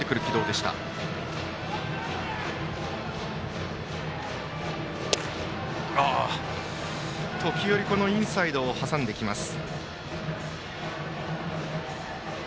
そして、時折インサイドを挟んできます。